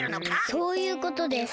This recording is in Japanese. そういうことです。